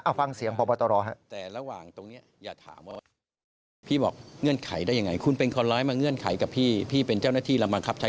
เอาฟังเสียงพบตรครับ